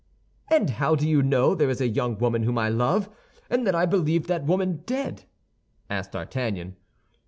"And how do you know there is a young woman whom I love, and that I believed that woman dead?" asked D'Artagnan.